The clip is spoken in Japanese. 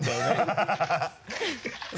ハハハ